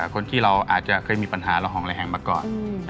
คนที่เราอาจจะเคยมีปัญหาหลอนหอมแรงมาก่อน